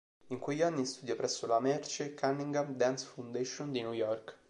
In quegli anni studia presso la "Merce Cunningham Dance Foundation" di New York.